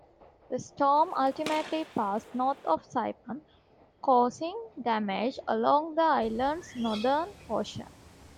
The storm ultimately passed north of Saipan, causing damage along the island's northern portion.